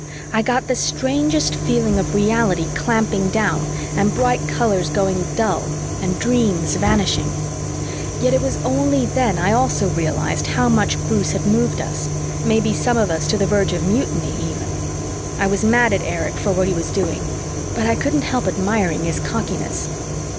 I got the strangest feeling of reality clamping down and bright colors going dull and dreams vanishing. Yet it was only then I also realized how much Bruce had moved us, maybe some of us to the verge of mutiny, even. I was mad at Erich for what he was doing, but I couldn't help admiring his cockiness.